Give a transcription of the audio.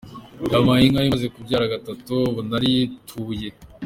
Yampaye inka imaze kubyara gatatu ubu narituye.